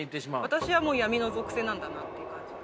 私はもう闇の属性なんだなっていう感じで。